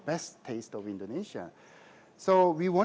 untuk rasa indonesia yang terbaik